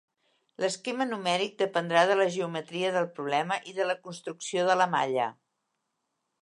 L'esquema numèric dependrà de la geometria del problema i de la construcció de la malla.